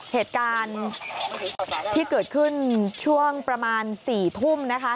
เหตุการณ์ที่เกิดขึ้นช่วงประมาณ๔ทุ่มนะคะ